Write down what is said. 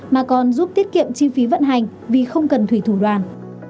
mà còn giúp tiết kiệm chi phí vận hành vì không cần thủy thủ đoàn